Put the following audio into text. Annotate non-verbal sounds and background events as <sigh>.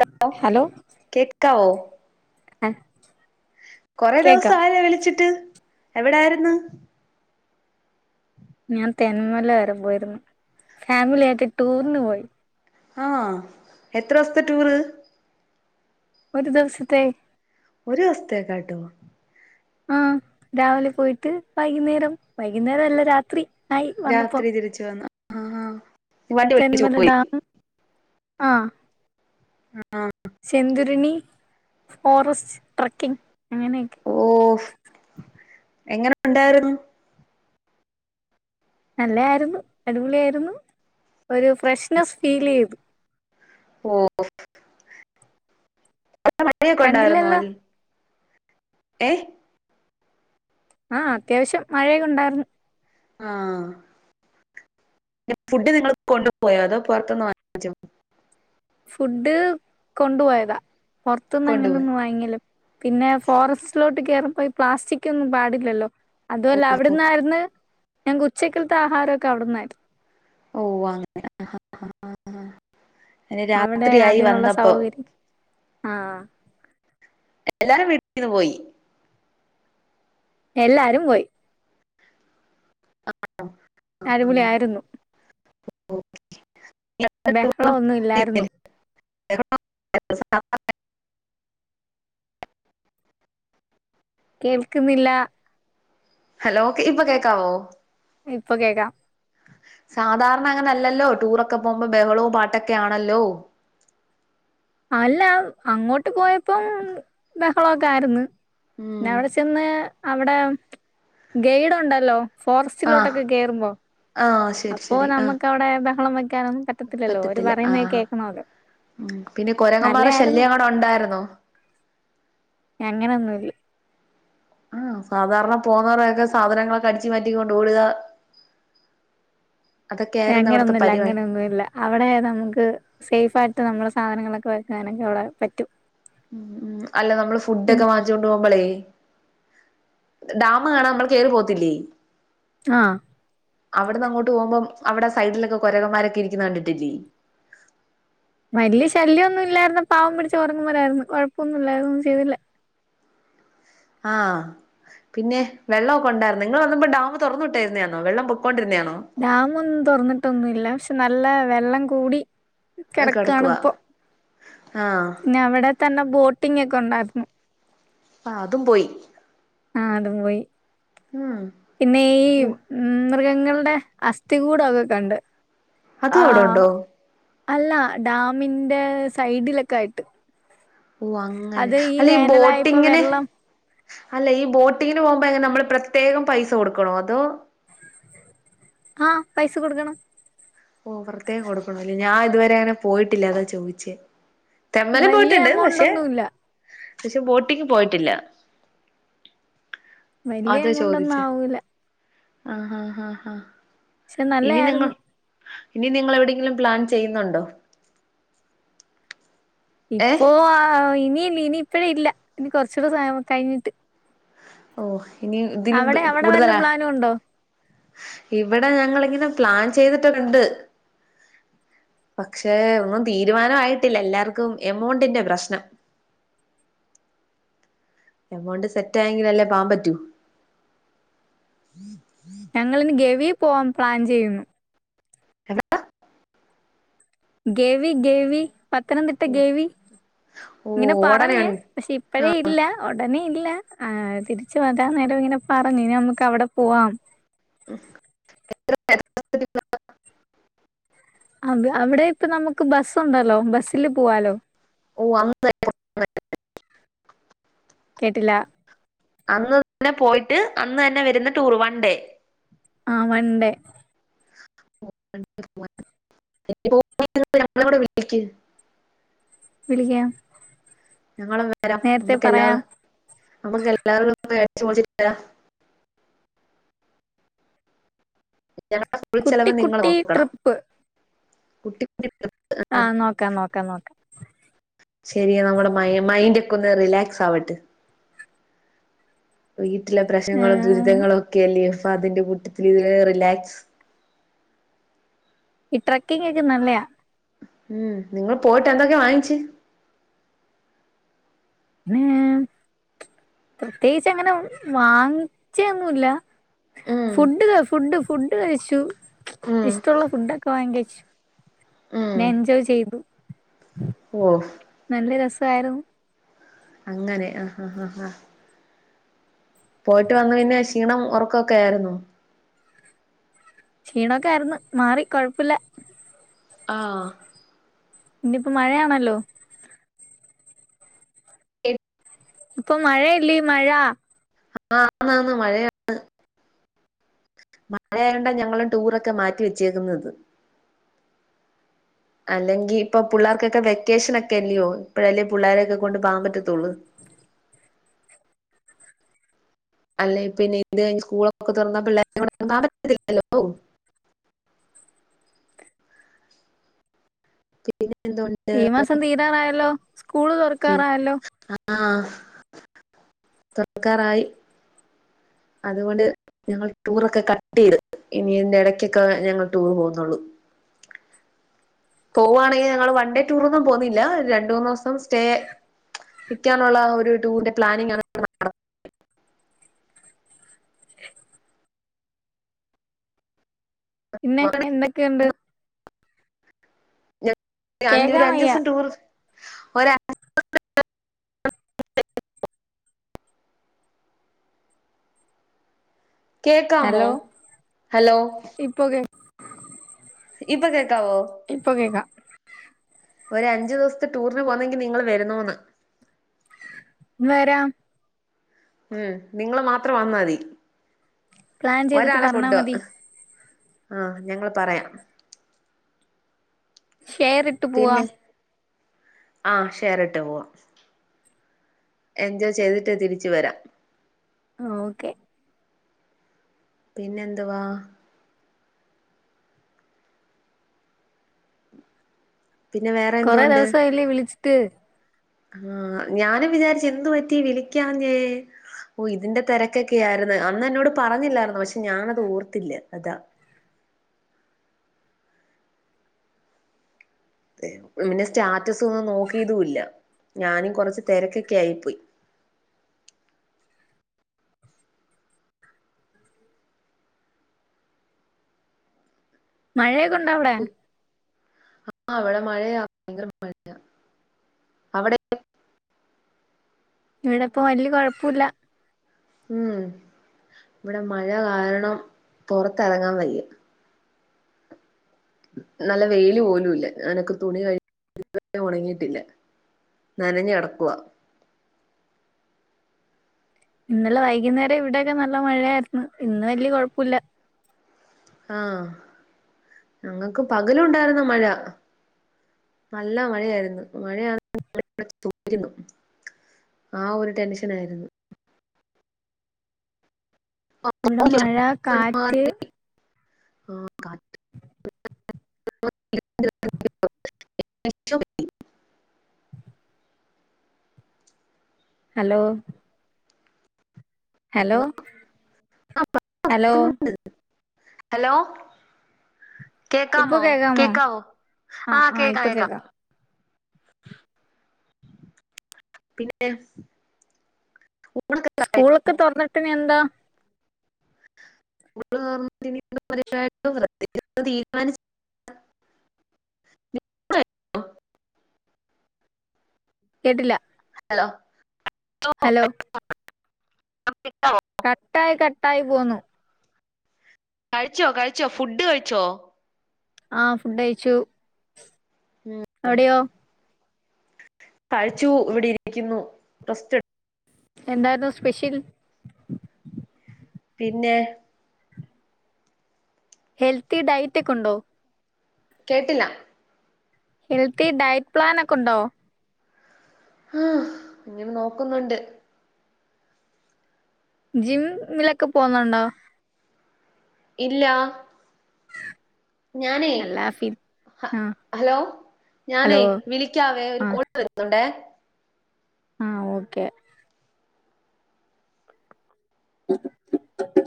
Hello കേക്കാവോ ആഹ് കൊറെ ദെവസം ആയല്ലോ വിളിച്ചിട്ട് എവിടാരുന്ന് ഞാൻ തെന്മല വരെ പോയിരുന്ന് ഫാമിലി ആയിട്ട് ടൂറിന് പോയി ആഹ് എത്ര ദിവസത്തെ ടൂറ് ഒരു ദിവസത്തെ ഒരു ദിവസത്തേക്കായിട്ടൊ ആഹ് രാവിലെ പോയിട്ട് വൈകുന്നേരം വൈകുന്നേരം അല്ല രാത്രി ആയി വന്നപ്പോ രാത്രി തിരിച്ച് വന്നു ആഹ് വണ്ടി വിളിച്ചു തെന്മല പോയി ഡാം ആഹ് ആഹ് ചെന്തുരിണി ഫോറസ്റ്റ് ട്രക്കിങ് അങ്ങനെയൊക്കെ ഓഹ് എങ്ങനെ ഒണ്ടാരുന്നു നല്ലായിരുന്നു അടിപൊളിയായിരുന്നു ഒരു ഫ്രഷ്നെസ്സ് ഫീലെയ്തു ഓ അവിടെ മഴയൊക്കെ ഉണ്ടായിരുന്നോ കണ്ടില്ലല്ലോ അൽ ഏഹ് ആഹ് അത്യാവശ്യം മഴയൊക്കെ ഒണ്ടായിരുന്നു ആഹ് ഫുഡ് നിങ്ങള് കൊണ്ടു പോയൊ അതോ പൊറത്തിന്ന് വാ ങ്ങിച്ചോ ഫുഡ് കൊണ്ടു പോയതാ പൊറത്തിന്ന് അങ്ങനെ കൊണ്ടുപോയി ഒന്നും വാങ്ങില്ല പിന്നെ ഫോറസ്റ്റിലോട്ട് കേറുമ്പ ഈ പ്ലാസ്റ്റിക്ക് ഒന്നും പാടില്ലല്ലോ അതുവല്ല അവിടന്നാരുന്ന് ഞങ്ങ ക്ക് ഉച്ചക്കിൽത്തെ ആഹാരൊക്കെ അവിടന്നാരുന്ന് ഓ അങ്ങനെ ആഹ് ആഹ് അങ്ങനെ അവിടെ രാത്രിയായി അതിനുള്ള വന്നപ്പൊ സൗകര്യം ആഹ് എല്ലാരും വീട്ടിന്ന് പോയി എല്ലാരും പോയി ആഹ് അടിപൊളിയായിരുന്നു <inaudible> ബഹളം ഒന്നും ഇല്ലായിരുന്നു എ <unintelligible> കേൾക്കുന്നില്ല ഹലോ ഇപ്പൊ കേൾക്കാവോ ഇപ്പൊ കേക്കാം സാധാരണ അങ്ങനെല്ലല്ലോ ടൂറൊക്കെ പോകുമ്പോ ബഹളവും പാട്ടൊക്കെ ആണല്ലോ അല്ല അങ്ങോട്ട് പോയപ്പം ബഹളൊക്കെ ആയിരുന്നു പിന്നെ ഉം അവിടെ ചെന്ന് അവിടെ ഗൈഡ് ഉണ്ടല്ലോ ആഹ് ഫോറസ്റ്റിലോട്ടൊക്കെ കേയറുമ്പോ ആഹ് ശരി അപ്പോൊ ശരി ആഹ് നമുക്ക് അവിടെ ബഹളം വെക്കാനൊന്നും പറ്റ പത്തില്ലോ ഓർ പറ്റത്തില്ല പറയുന്ന ആഹ് കേക്കണല്ലോ ഉം പിന്നെ കുരങ്ങന്മാരെ നല്ലായിരുന്നു ശല്യം അവിടെ ഉണ്ടായിരുന്നോ ഞങ്ങന ഒന്നുമ ഇല്ല ഉം സാധാരണ പോകുന്നവരൊക്കെ സാധനങ്ങളൊക്കെ അടിച്ചു മാറ്റിക്കൊണ്ട് ഒടുക ആയിരുന്നു അവിടുത്തെ അങ്ങനൊന്നുല്ല പരിപാടി അങ്ങനെയൊന്നു ഇല്ല അവിടെ നമുക്ക് സേഫ് ആയിട്ട് നമ്മള് സാധനങ്ങളൊക്കെ വെക്കാനൊക്കെ അവിടെ പറ്റും ഉം അല്ല നമ്മള് ഫുഡ് ഒക്കെ <unintelligible> പോംപളേ ഡാമ് കാണാൻ നമ്മൾ കേറി പോത്തില്ലേ ആഹ് അവിടന്ന് അങ്ങോട്ട് പോകുമ്പോ അവിട സെയ്ഡൊക്കെ കൊരകന്മാരൊക്കെ ഇരിക്കുന്നു കണ്ടിട്ടില്ലേ വലിയ ശല്യമൊന്നും ഇല്ലായിുന്ന പാവം പിടിച്ച് ഉറങ്ങും പോലായിരുന്നു കുഴപ്പമൊന്നും ഇല്ലായിർന്നു ഒന്നും ചെയ്തില്ല ആഹ് പിന്നെ വെള്ളക്കെ ഉണ്ടായിരുന്നു നിങ്ങള്ൾ വന്നപ്പോ ഡാമ് തുറന്നു വിട്ടിരുന്നതണ വള്ളപൊക്കൊണ്ടിരുന്നതണോ ഡാമൊന്നും തുറന്നിട്ടൊന്നുല്ല പക്ഷെ നല്ല വെള്ളം കൂടി കെടക്കാണി കിടക്കുവാ പ്പൊ ആഹ് ഞ അവിടെ തന്നെ ബോട്ടിങ് ഒക്കെ ഉണ്ടായിരുന്നു ആഹ് അതും പോയി ആഹ് അതും പോയി ഉം പിന്നെ ഈ മ്മ് മൃഗങ്ങളുടെ അസ്ഥി കൂടൊക്കെ കണ്ട് അതും അവിടെ ആഹ് ഉണ്ടോ അല്ല ഡാമിന്റെ സൈഡിലൊക്കെ ആയിട്ട് ഓഹ് അങ്ങനെ അത് അല്ല ഈ വേനലായപ്പോ ബോട്ടിങ്ന് വെള്ളം അല്ല ഈ ബോട്ടിങ്ങിന് പോകുമ്പോ എങ്ങനെ നമ്മൾ പ്രത്യേകം പൈസ കൊടുക്കണോ അതോ ആഹ് പൈസ കൊടുക്കണം ഓ പ്രറയേകം കൊടുക്കണല്ലേ ഞാൻ ഇതുവരെ അങ്ങനെ പോയിട്ടില്ല അത ചോദിച്ച തെമ്മല വലിയ പോയിട്ടുണ്ട് എമൗണ്ട് പക്ഷെ ഒന്നുമില്ല പക്ഷെ ബോട്ടിങ് പോയിട്ടില്ല വലിയ അത എമൗണ്ട് ചോദിച്ച ഒന്നും ആവൂല ആഹ് ഹ ആാ ഹാ പക്ഷെ ഇനി നിങ്ങൾ നല്ലയായിരുന്നു ഇനി നിങ്ങൾ എവിടെയെങ്കിലും പ്ലാൻ ചെയ്യുന്നുണ്ടോ? ഏഹ് ഇപ്പൊ ഇനിയില്ല ഇനി ഇപ്പഴ ഇല്ല ഇനി കൊറച്ചുകൂടെ സ കഴിഞ്ഞിട്ട് ഓഹ് ഇനി ഇതിലും അവിടെ അവിടെ വല്ല കൂടുതലാ പ്ലാനും ഉണ്ടോ ഇവിടെ ഞങ്ങല്ൾ ഇങ്ങനെ പ്ലാൻ ചെയ്തിട്ടൊക്കെ ഇണ്ട് പക്ഷെ ഒന്നും തീരുമാനയിട്ടില്ല എല്ലാവർക്കും എമോണ്ടിന്റെ പ്രശ്നം എമൗണ്ട് സെറ്റ് ആയെങ്കില അല്ലേ പാൻ പറ്റോ ഞങ്ങളിന് ഗവി പോവാൻ പ്ലാൻ ചെയ്യുന്നു കെവി കെവി പത്തനംതിട്ട ഗേവി ഓ ഇങ്ങനെ ഉടനെ പറഞ്ഞ് പക്ഷെ ഇപ്പഴേ ഇല്ല ഉടനെ ഇല്ല തിരിച്ചു വരാൻ നേരം ഇങ്ങനെ പറഞ് ഇനി നമക്ക് അവിടെ പോവാം <unintelligible> അ അവിടെ ഇപ്പ നമുക്ക് ബസ് ഉണ്ടല്ലോ ബസ്സില് പോവാലോ ഓ അങ് <unintelligible> കെട്ടില അന്ന് തന്നെ പോയിട്ട് അന്ന് തന്നെ വരുന്ന ടൂർ വൺ ഡേ ആഹ് വൻ ഡേ <unintelligible> ഞങ്ങളവിടെ വിട്ടിക്ക് വിളിക്കാ ഞങ്ങളും വരാം നമ്മുക്ക് പറയാം എല്ലാവര് നമ്മുക്ക് എല്ലാവർക്കും അടിച്ചു പൊളിച്ചു വരാ ഞങ്ങളുടെഫുൾ കുട്ടി ചെലവ് നിങ്ങള് കുട്ടി നോക്കണം ട്രിപ്പ് കുട്ടി ആഹ് നോക്കാം നോക്കാം നോക്കാം ശരി നമ്മുടെ മയ മൈൻഡ് ഒക്കെ ഒന്ന് റിലാക്സ് ആവട്ട് വീട്ടിലെ പ്രശ്നങ്ങളും ഏഹ്, ദുരിതങ്ങളു ഒക്കെ അല്ലേ ഫാതിന്റെ കൂട്ടത്തിലുള്ള റിലാക്സ് ഈ ട്രക്കിങ് ഒക്കെ നല്ലയാ ഉം നിങ്ങള്പോയിട്ട് എന്തൊക്കെ വാങ്ങിച്ച് പിന്നെ പ്രത്യേകിച്ചഅങ്ങനെ വാങ്ങിച്ചൊന്നുല്ല ഉം ഫുഡ് ക ഫുഡ് ഫുഡ് കഴിച്ചു ഉം ഇഷ്ടമുള്ള ഫുഡ് ഒക്കെ വാങ്ങി കഴിച്ചു ഉം പിന്നെ എൻജോയ് ചെയ്തു ഓ നല്ല രസായിരുന്നു അങ്ങനെ ആഹ് ഹാ ഹാ ഹാ പോയിട്ട് വന്നു പിന്നെ ക്ഷീണം ഒറക്കൊക്കെ ആയിരുന്നു ക്ഷീണൊക്കെ ആയിര്ന്ന് മാറി കൊഴപ്പല്ല ആഹ് ഇന്നിപ്പോ മഴയാണല്ലോ എ ഇപ്പൊ മഴയല്ലീ മഴ ആ ആന്നാന്ന് മഴയാണ് മഴ ആയോണ്ടാ ഞങ്ങളും ടൂറൊക്കെ മാറ്റി വെച്ചേക്കുന്നത് അല്ലെങ്കി ഇപ്പൊ പുള്ളേർക്കൊക്കെ വെക്കേഷനെക്കെല്ലയോ ഇപ്പഴ ല്ലെ പുള്ളോരെയൊക്കെ കൊണ്ട് പാവാൻ പറ്റത്തുള്ളൂ അല്ലേ പിന്നെ ഇത് കഴിഞ്ഞ് സ്കൂളൊക്കെ തുറന്നാ പിള്ളേരെ കൊണ്ട് പോവാൻ പറ്റത്തില്ലല്ലോ എന്തുകൊണ്ട് ഈ മാസം തീരാറായാല്ലോ സ്കൂള് തുറക്കാറായാല്ലോ ആഹ് തുറക്കാറായി അതുകൊണ്ട് ഞങ്ങൾ ടൂറൊക്കെ കട്ടയ്‌ത് ഇനിതിന്റെ ഇടയ്ക്കൊക്കെ ഞങ്ങൾ ടൂർ പോകുന്നുള്ളൂ പോവാണെങ്കി ഞങ്ങള് വൺഡേ ടൂറൊന്നും പോന്നില്ല രണ്ട് മൂന്നുസം സ്റ്റേ നിക്കാനുള്ള ഒരു ടൂറിന്റെ പ്ലാനിംഗ് ആണ് <unintelligible> പിന്നെ എന്തൊക്കെയുണ്ട് <unintelligible> അഞ്ഞൂർ കേക്കാൻ വയ്യ അഞ്ചുസം ടൂർ ഒരാ കേക്കാമോ ഹലോ പോകെ ഇപ്പ കേക്കാവോ ഇപ്പൊ കേക്കാ ഒരഞ്ചു ദിവസത്തെ ടൂറിന് പോകുന്നെങ്കിൽ നിങ്ങൾ വരുന്നോന്ന് വരാം ഉം നിങ്ങള് മാത്രം വന്നാ മതി പ്ലാൻ ചെയ്തിട്ട് ഒരാളെ പറഞ്ഞാ മതി കൊണ്ടോവാ ആഹ് ഞങ്ങള് പറയാം ഷെയർട്ട് പിന്നെ ആഹ് ഷയറിട്ട് പോവാ എൻജോയ് ചെയ്തിട്ട് തിരിച്ച് വരാം ഓക്കെ പിന്നെ എന്തുവാ പിന്നെ വേറെ കൊറെ എന്തോണ്ട് ദിവസായില്ലേ വിളിച്ചിട്ട് ആഹ് ഞാനും വിചാരിച്ച് എന്ത് പറ്റി വിളിക്കാഞ്ഞേ ഓഹ് ഇതിന്റെ തിരക്കൊക്കെ ആയിരുന്നു അന്ന് എന്നോട് പറഞ്ഞില്ലായിരുന്നോ പക്ഷേ ഞാനത് ഓർത്തില്ല അതാ ഏഹ് പിന്നെ സ്റ്റാറ്റസൊന്നും നോക്കിയതുല്ല ഞാനും കൊറച്ച് തെരക്കോക്കെ ആയിപോയി മഴെ കൂ ആഹ് ഇവടെ മഴയാ ഭയങ്കര മഴ അവിടെ ഇവിടെ ഇപ്പ വല്യ കുഴപ്പില്ല ഉം ഇവടെ മഴ കാരണം പൊറത്തറങ്ങാൻ വയ്യ നല്ല വെയിൽ പോലുംല്ല ഞാനൊക്കെ തുണി കഴി ഒണങ്ങിട്ടില്ല നനഞ്ഞ് കെടക്കുവാ ഇന്നലെ വൈകുന്നേരം ഇവിടെക്കെ നല്ല മഴയായിരുന്നു ഇന്ന് വലിയ കുഴപ്പൊല്ല ആഹ് ഞങ്ങക്ക് പകലുണ്ടാരുന്നുമഴ നല്ല മഴയായിരുന്നു മഴയാ <unintelligible> ആഹ് ഒരു ടെൻഷൻ ആയിരുന്നു ഇവിടെ മഴ കാറ്റ് ആഹ് കാ <inaudible> ഹലോ ഹലോ ഹലോ ഹലോ ഇപ്പൊ കേക്കാമോ കേക്കാമോ കേക്കാവോ ആ ആഹ് ആ കേക്കാം ഇപ്പൊ കേക്കാം പിന്നെ ഊണൊക്കെ സ്കൂളൊക്കെ തുറന്നിട്ടിന് എന്താ <unintelligible> തീരുമാനിച്ച <inaudible> കേട്ടില്ല ഹലോ ഹലോ കട്ടായി കട്ടായി പോവുന്നു കഴിച്ചോ കഴിച്ചോ ഫുഡ് കഴിച്ചോ ആഹ് ഫുഡ് കയിച്ചു ഉം അവിടെയോ കഴിച്ചൂ ഇവിടെ ഇരിക്കുന്നു റസ്റ്റ് എ എന്താരുന്നു സ്പെഷ്യൽ പിന്നെ ഹെൽത്തി ഡയറ്റ് ഒക്കെ ഉണ്ടോ കേട്ടില്ല ഹെൽത്തി ഡയറ്റ് പ്ലാൻ ഒക്കെ ഉണ്ടോ ആഹ് ഇങ്ങനെ നോക്കുന്നുണ്ട് ജിമ്മിലൊക്കെ പോവുന്നുണ്ടോ ഇല്ലാ ഞാനേ അല്ല ഫി ഹ ആ ഹലോ ഞാനേ ഹലോ വിളിക്കാവേ ഒരു ആ കോൾ വരുന്നുണ്ടേ ആഹ് ഓക്കെ <unintelligible>